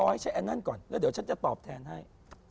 ให้ใช้อันนั้นก่อนแล้วเดี๋ยวฉันจะตอบแทนให้